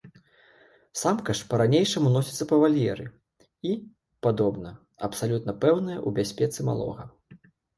Самка ж па-ранейшаму носіцца па вальеры і, падобна, абсалютна пэўная ў бяспецы малога.